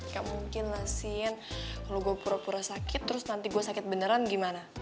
gak mungkin nasiin kalau gue pura pura sakit terus nanti gue sakit beneran gimana